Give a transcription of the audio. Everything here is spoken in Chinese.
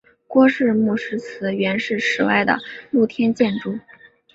郭氏墓石祠原是室外的露天建筑。